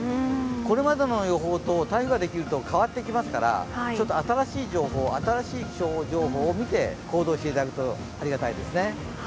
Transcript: これまでの予報と台風ができると変わってきますから、ちょっと新しい気象情報を見て行動していただくとありがたいですね。